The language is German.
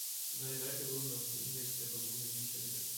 Seine Werke wurden auf den Index der verbotenen Bücher gesetzt.